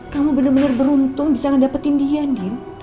kamu bener bener beruntung bisa ngedapetin dia din